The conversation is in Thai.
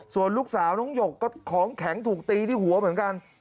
ส่วนลูกสาวน้องหยกก็ของแข็งถูกตีที่หัวเหมือนกัน